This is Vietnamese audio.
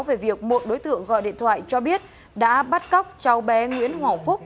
về việc một đối tượng gọi điện thoại cho biết đã bắt cóc cháu bé nguyễn hòa phúc